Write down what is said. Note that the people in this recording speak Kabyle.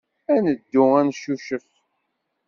Ad neddu ad neccucef.